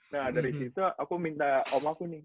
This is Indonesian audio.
nah dari situ aku minta om aku nih